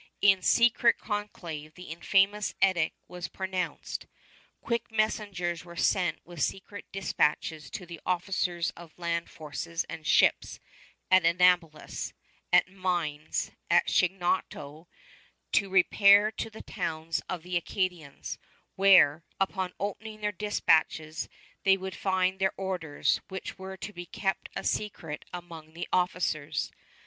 In secret conclave the infamous edict was pronounced. Quickly messengers were sent with secret dispatches to the officers of land forces and ships at Annapolis, at Mines, at Chignecto, to repair to the towns of the Acadians, where, upon opening their dispatches, they would find their orders, which were to be kept a secret among the officers.